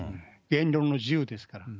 言論の自由ですから。